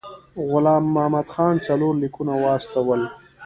غلام محمد خان څلور لیکونه واستول.